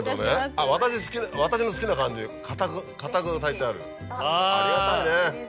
あっ私の好きな感じ硬く炊いてあるありがたいね。